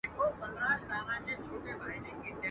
زه او ته دواړه ښکاریان یو د عمرونو.